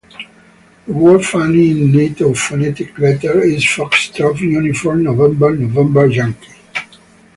The word Funny in Nato phonetic letters is Foxtrot, Uniform, November, November, Yankee.